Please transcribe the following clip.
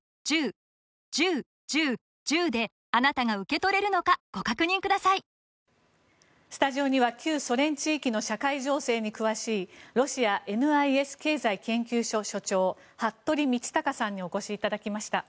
厳しい状況が続いているとされるロシアがスタジオには旧ソ連地域の社会情勢に詳しいロシアＮＩＳ経済研究所所長服部倫卓さんにお越しいただきました。